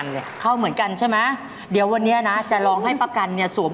นำโชว์